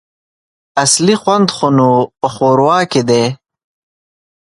اصلي خوند خو نو په ښوروا کي دی !